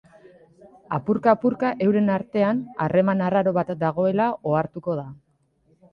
Apurka-apurka euren artean harreman arraro bat dagoela ohartuko da.